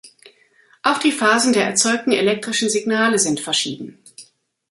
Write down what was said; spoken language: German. Auch die Phasen der erzeugten elektrischen Signale sind verschieden.